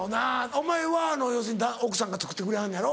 お前は要するに奥さんが作ってくれはんねんやろ？